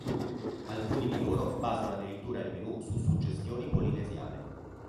Alcuni di loro basano addirittura il menù su suggestioni polinesiane.